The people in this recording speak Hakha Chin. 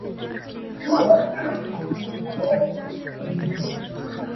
Saruh an i zat lo ahcun uico an i seh.